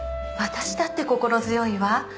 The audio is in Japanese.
私だって心強いわ。